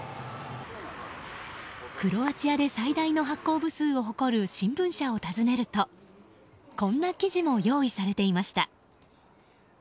クロアチアで最大の発行部数を誇る新聞社を訪ねるとこんな記事も用意されていました。